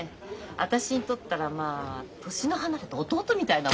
私にとったらまあ年の離れた弟みたいなもんなのよ。